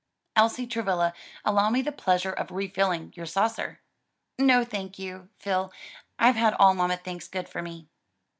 Elsie Travilla, allow me the pleasure of refilling your saucer." "No, thank you, Phil, I've had all mamma thinks good for me."